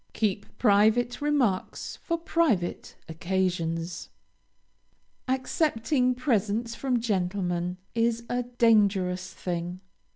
Keep private remarks for private occasions. Accepting presents from gentlemen is a dangerous thing.